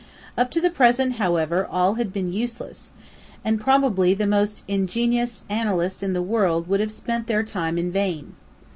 Up to the present, however, all had been useless, and probably the most ingenious analysts in the world would have spent their time in vain.